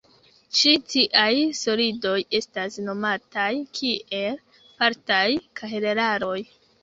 Ĉi tiaj "solidoj" estas nomataj kiel partaj kahelaroj.